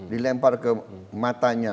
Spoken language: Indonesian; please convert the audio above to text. dilempar ke matanya